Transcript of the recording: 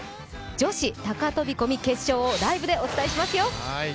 女子高飛び込み決勝をライブでお伝えしますよ。